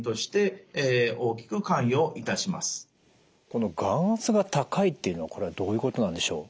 この眼圧が高いっていうのはこれはどういうことなんでしょう？